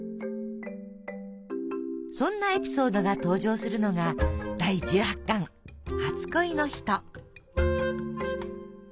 そんなエピソードが登場するのが第１８巻「初恋の人」。